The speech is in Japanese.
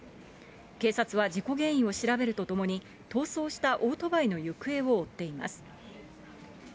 警察は事故原因を調べるとともに、逃走したオートバイの行方を追っています。